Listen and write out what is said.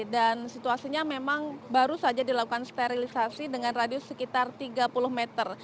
dan situasinya memang baru saja dilakukan sterilisasi dengan radius sekitar tiga puluh meter